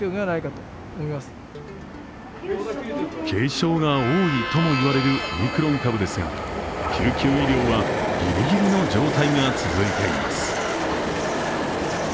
軽症が多いとも言われるオミクロン株ですが、救急医療はギリギリの状態が続いています。